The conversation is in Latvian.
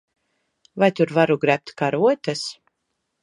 Vai tur varu grebt karotes?